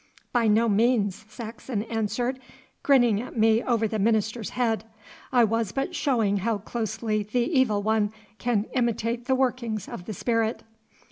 'By no means,' Saxon answered, grinning at me over the minister's head. 'I was but showing how closely the Evil One can imitate the workings of the Spirit.